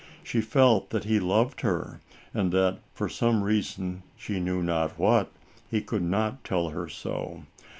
She felt that he loved her and that, for some reason, she knew not what, he could not tell her so.